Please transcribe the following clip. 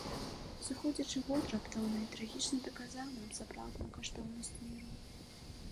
Сыходзячы год раптоўна і трагічна даказаў нам сапраўдную каштоўнасць міру.